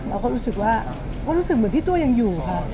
เราก็รู้สึกว่าก็รู้สึกเหมือนพี่ตัวยังอยู่ค่ะ